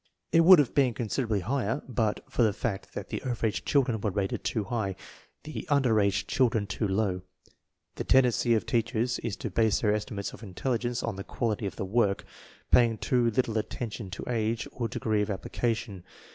It would have been considerably higher but for the fact that the over age children were rated too high, the under age children too low. The_tendency of . teachers, is to, base their estimates of intelligence on the quality of the work, paying too little attention to age or degree of applica tion.